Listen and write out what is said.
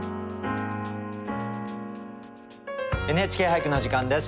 「ＮＨＫ俳句」の時間です。